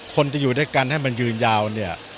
คนจะอยู่ด้วยกันให้มันยืนยาวเนี่ย